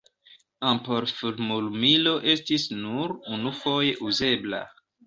Ampol-fulmlumilo estis nur unufoje uzebla.